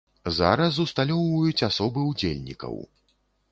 Зараз усталёўваюць асобы удзельнікаў.